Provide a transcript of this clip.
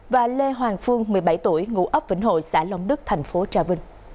và lê hoàng phương một mươi bảy tuổi ngụ ấp vĩnh hội xã long đức tp hcm